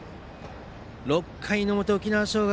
６回の表、沖縄尚学